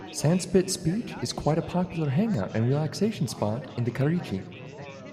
Sandspit beach is quite a popular hangout and relaxation spot in Karachi.